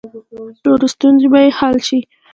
ټولې ستونزې به یې حل شي.